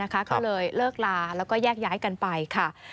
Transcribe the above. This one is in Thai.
ก็เลยเลิกลาแล้วก็แยกย้ายกันไปค่ะ